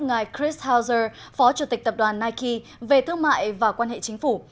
ngài chris house phó chủ tịch tập đoàn nike về thương mại và quan hệ chính phủ